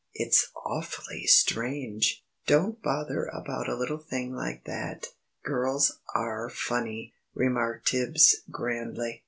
"It's awfully strange!" "Don't bother about a little thing like that. Girls are funny," remarked Tibbs, grandly.